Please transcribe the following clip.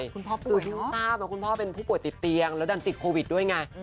คุณทราบของคุณพ่อเป็นผู้ป่วยติดเตียงและดันติดโควิดด้วยไง